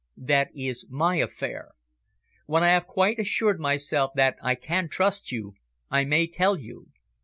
"That is my affair. When I have quite assured myself that I can trust you, I may tell you.